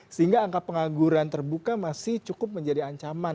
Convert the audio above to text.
sehingga angka pengangguran terbuka masih cukup menjadi ancaman